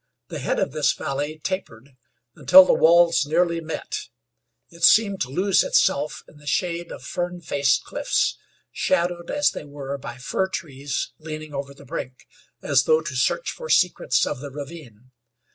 The head of this valley tapered until the walls nearly met; it seemed to lose itself in the shade of fern faced cliffs, shadowed as they were by fir trees leaning over the brink, as though to search for secrets of the ravine.